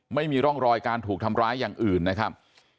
ไม่มีร่องรอยการถูกทำร้ายอย่างอื่นนะครับ